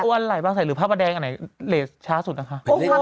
วันมันใครใส่หรือภาพแปดแดงอะไรอย่างช้าสุดนะคะ